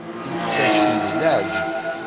Yettasem d leɛǧeb.